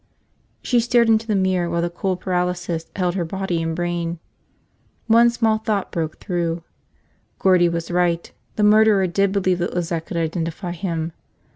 She stared into the mirror while cold paralysis held her body and brain. One small thought broke through: Gordie was right. The murderer did believe that Lizette could identify him.